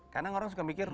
kadang orang suka mikir